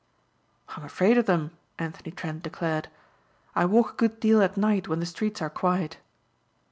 "I'm afraid of them," Anthony Trent declared. "I walk a good deal at night when the streets are quiet."